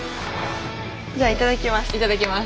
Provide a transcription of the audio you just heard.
じゃあいただきます。